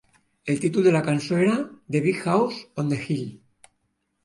El títol de la cançó era "The Big House on the Hill".